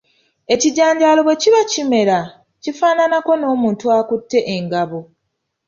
Ekijanjaalo bwe kiba kimera kifaananako n’omuntu akutte engabo.